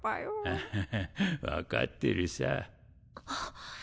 アハハ分かってるさ。